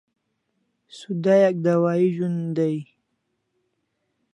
Sudayak dawahi zun dai